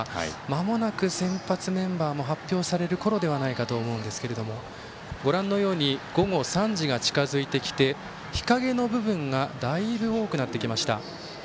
まもなく先発メンバーも発表されるころかと思いますが午後３時が近づいてきて日陰の部分がだいぶ多くなってきました。